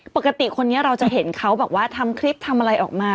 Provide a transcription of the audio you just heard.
ปกติคนนี้เราจะเห็นเขาบอกว่าทำคลิปทำอะไรออกมา